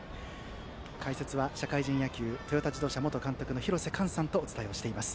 解説は社会人野球トヨタ自動車元監督の廣瀬寛さんとお伝えしています。